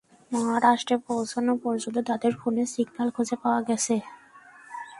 মহারাষ্ট্রে পৌঁছনো পর্যন্ত তাদের ফোনের সিগন্যাল খুঁজে পাওয়া গেছে।